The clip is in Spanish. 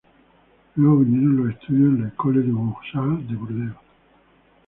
Luego vinieron los estudios en la Ecole des Beaux-Arts de Burdeos.